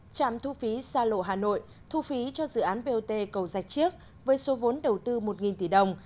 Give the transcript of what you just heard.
trạm thu phí xa lộ hà nội thu phí cho dự án bot cầu dạch chiếc với số vốn đầu tư một tỷ đồng